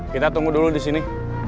kita tunggu dulu disini